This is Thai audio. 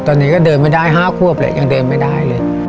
ตอนนี้ก็เดินไม่ได้๕ชั่วบแหล่งเดินไม่ได้